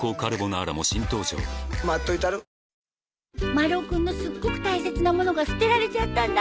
丸尾君のすっごく大切なものが捨てられちゃったんだ。